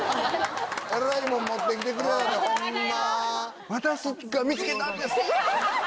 えらいもん持ってきてくれやがってホンマ。